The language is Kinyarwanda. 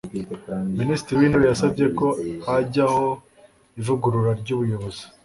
minisitiri w'intebe yasabye ko hajyaho ivugurura ry'ubuyobozi